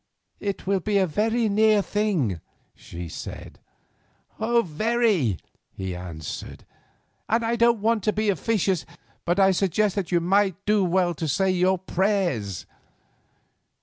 "It will be a very near thing," she said. "Very," he answered, "and I don't want to be officious, but I suggest that you might do well to say your prayers."